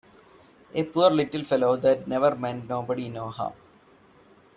A poor little fellow that never meant nobody no harm!